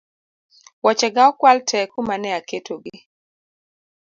Woche ga okwal tee kuma ne aketo gi